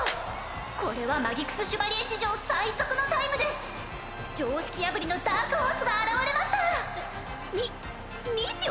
これはマギクス・シュバリエ史上最速のタイムです常識破りのダークホースが現れましたに２秒！？